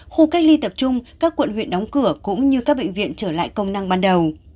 khu cách ly tập trung các quận huyện đóng cửa cũng như các bệnh viện trở lại công năng ban đầu